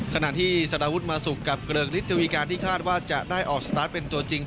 ขณะที่สารวุฒิมาสุกกับเกริกฤทธวีการที่คาดว่าจะได้ออกสตาร์ทเป็นตัวจริง